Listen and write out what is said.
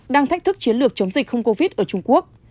đang thách thức chiến lược chống dịch không covid ở trung quốc